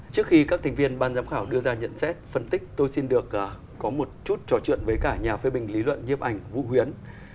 trước khi các thành viên ban giám khảo đưa ra nhận xét phân tích tôi xin được có một chút trò chuyện với cả nhà phê bình lý luận nhiếp ảnh vũ huyến